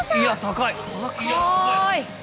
高い！